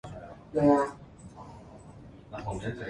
Extensive surveys and geological maps were made at that time.